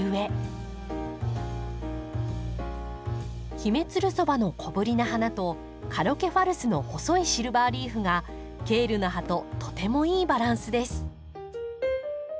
ヒメツルソバの小ぶりな花とカロケファルスの細いシルバーリーフがケールの葉ととてもいいバランスです。